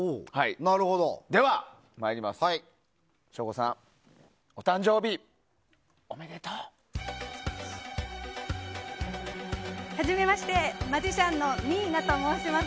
では、省吾さんお誕生日おめでとう！はじめましてマジシャンのニーナと申します。